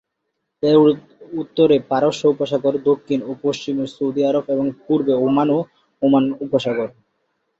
এর উত্তরে পারস্য উপসাগর, দক্ষিণ ও পশ্চিমে সৌদি আরব, এবং পূর্বে ওমান ও ওমান উপসাগর।